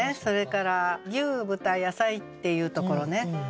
それから「牛豚野菜」っていうところね。